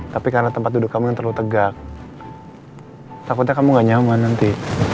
tapi karena tempat duduk kamu terlalu tegak takutnya kamu gak nyaman nanti